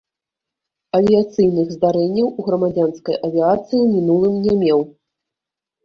Авіяцыйных здарэнняў у грамадзянскай авіяцыі ў мінулым не меў.